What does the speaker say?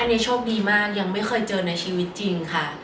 อันนี้โชคดีมากยังไม่เคยเจอในชีวิตจริงค่ะ